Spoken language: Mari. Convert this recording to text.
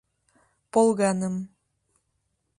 — Полганым.